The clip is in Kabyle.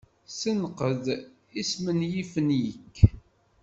Senqed ismenyifen-ik.